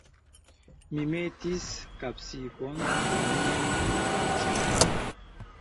Mi metis kapsikon sur mian kacon.